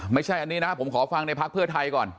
ไม่ใช่อันนี้นะผมขอฟังในพักเพื่อไทยก่อน